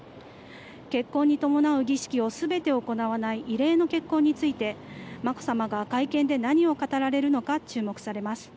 結婚に伴う儀式をすべて行わない異例の結婚について、まこさまが会見で何を語られるのか、注目されます。